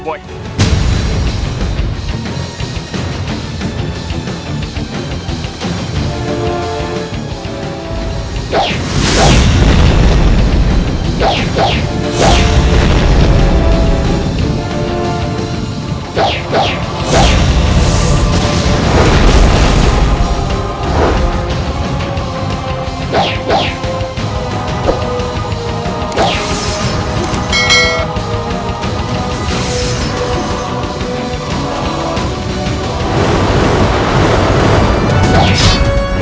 aku akan menang